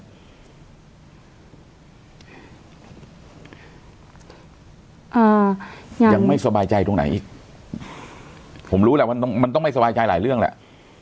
อ่ายังไม่สบายใจตรงไหนอีกผมรู้แหละมันต้องมันต้องไม่สบายใจหลายเรื่องแหละ